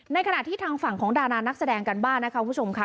ขณะที่ทางฝั่งของดารานักแสดงกันบ้างนะคะคุณผู้ชมค่ะ